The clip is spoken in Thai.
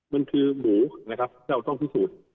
มันคือหมูนะครับที่เราต้องพิสูจน์